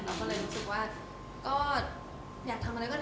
เพราะว่าเราก็คิดว่ามันเป็นวันนึงแหละ